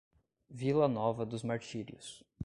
Vila Nova dos Martírios